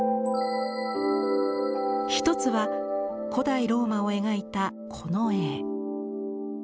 一つは古代ローマを描いたこの絵。